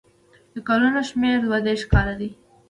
د کلونو شمېر دوه دېرش کاله دی.